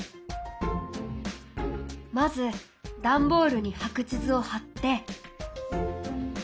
まずダンボールに白地図を貼って！